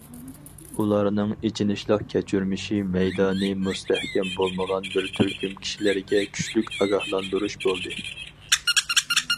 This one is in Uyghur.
ئۇلارنىڭ ئېچىنىشلىق كەچۈرمىشى مەيدانى مۇستەھكەم بولمىغان بىر تۈركۈم كىشىلەرگە كۈچلۈك ئاگاھلاندۇرۇش بولدى.